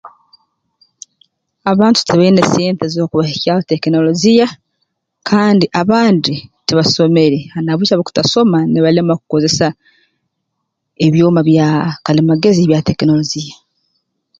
Abantu tibaine sente z'okubahikyaho tekinoligiya kandi abandi tibasomere na habw'eki habw'okutasoma nibalema kukozesa ebyoma byaa kalimagezi ebya tekinologiya